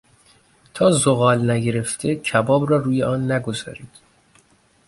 تا زغال نگرفته کباب را روی آن نگذارید.